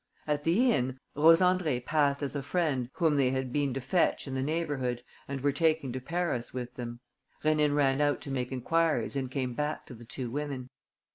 At the inn, Rose Andrée passed as a friend whom they had been to fetch in the neighbourhood and were taking to Paris with them. Rénine ran out to make enquiries and came back to the two women.